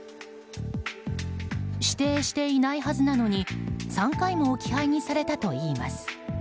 指定していないはずなのに３回も置き配にされたといいます。